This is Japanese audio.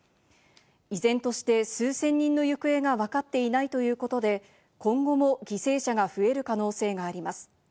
依然として数千人の行方がわかっていないということで、今後も犠牲者が増える可能性があります。